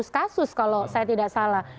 lima ratus kasus kalau saya tidak salah